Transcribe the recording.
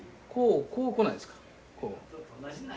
こう来ないですか？